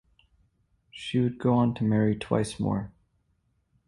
She would go on to marry twice more.